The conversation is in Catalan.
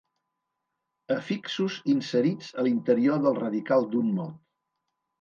Afixos inserits a l'interior del radical d'un mot.